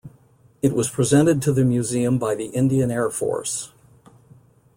It was presented to the museum by the Indian Air Force.